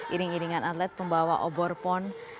iring iringan atlet pembawa obor pon